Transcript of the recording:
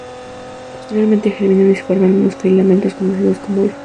Posteriormente germinan y se forman unos filamentos conocidos como hifas.